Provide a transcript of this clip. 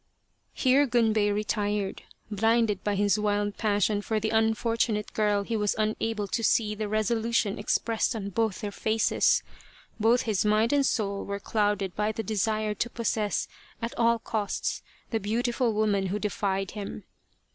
Here Gunbei retired. Blinded by his wild passion for the unfortunate girl he was unable to see the resolution expressed on both their faces. Both his mind and soul were clouded by the desire to possess at all costs the beautiful woman who defied him.